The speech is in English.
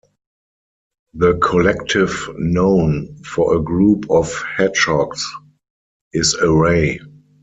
The collective noun for a group of hedgehogs is "array".